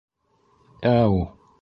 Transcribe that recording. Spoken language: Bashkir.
Әү...